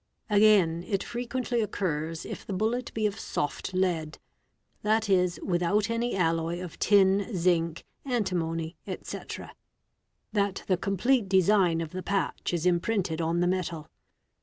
% Again it frequently occurs, if the bullet be of soft lead, 2.e., without any : alloy of tin, zinc, antimony, etc., that the complete design of the patch is imprinted on the metal.